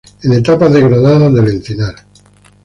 En etapas degradadas del encinar.